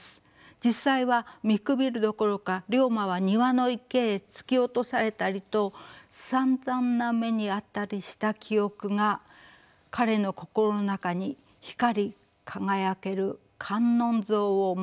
実際は見くびるどころか竜馬は庭の池へ突き落とされたりとさんざんな目に遭ったりした記憶が彼の心の中に「光り輝ける観音像」を持つことへつながっていったのでした。